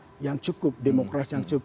yang cukup demokrasi yang cukup